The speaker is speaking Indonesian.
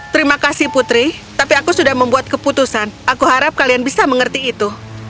terima kasih putri tapi aku sudah membuat keputusan aku harap kalian bisa mengerti itu